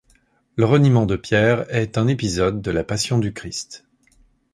Le reniement de Pierre est un épisode de la Passion du Christ.